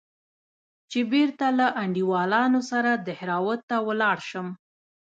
چې بېرته له انډيوالانو سره دهراوت ته ولاړ سم.